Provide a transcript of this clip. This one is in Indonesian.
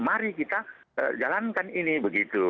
mari kita jalankan ini begitu